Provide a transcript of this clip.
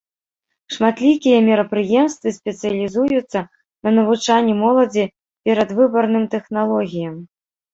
Шматлікія мерапрыемствы спецыялізуюцца на навучанні моладзі перадвыбарным тэхналогіям.